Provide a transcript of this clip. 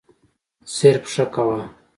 صرف «ښه» کوه.